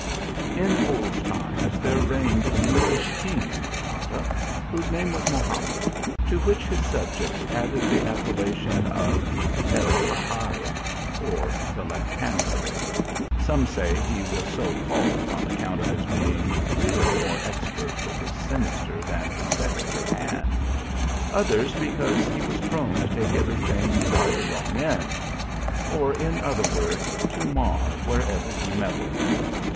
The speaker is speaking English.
IN old times there reigned a Moorish king 1 in Granada, whose name was Mohamed, to which his subjects added the appellation of el Haygari, or " the left handed." Some say he was so called, on account of his being really more expert with his sinister, than his dexter hand ; others, because he was prone to take every thing by the wrong end ; or, in other words, to mar wherever he meddled.